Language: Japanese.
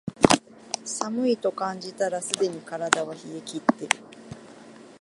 寒いと感じたらすでに体は冷えきってる